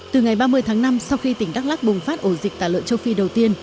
từ ngày ba mươi tháng năm sau khi tỉnh đắk lắc bùng phát ổ dịch tả lợn châu phi đầu tiên